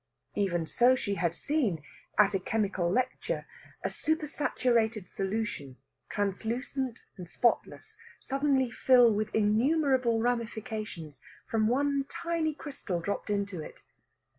Even so she had seen, at a chemical lecture, a supersaturated solution, translucent and spotless, suddenly fill with innumerable ramifications from one tiny crystal dropped into it.